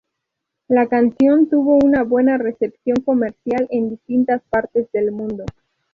La canción tuvo una buena recepción comercial en distintas partes del mundo.